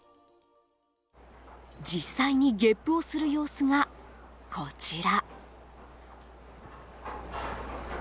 実際にげっぷをする様子がこちら。